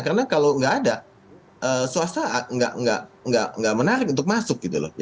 karena kalau nggak ada suasana nggak menarik untuk masuk gitu loh